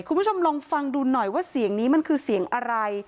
คุณผู้ชมลองฟังดูหน่อยว่าเสียงนี้มันคือเสียงอะไร